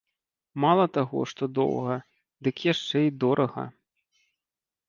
Мала таго, што доўга, дык яшчэ і дорага.